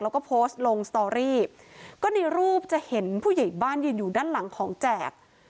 แล้วก็โพสต์ลงสตอรี่ก็ในรูปจะเห็นผู้ใหญ่บ้านยืนอยู่ด้านหลังของแจก